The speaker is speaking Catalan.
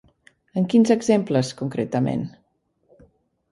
En quins exemples, concretament?